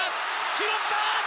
拾った！